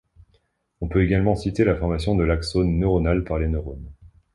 On peut également citer la formation de l’axone neuronal par les neurones.